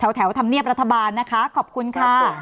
แถวธรรมเนียบรัฐบาลนะคะขอบคุณค่ะ